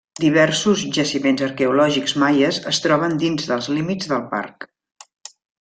Diversos jaciments arqueològics maies es troben dins dels límits del parc.